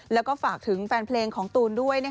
แล้วก็ฝากถึงแฟนเพลงของตูนด้วย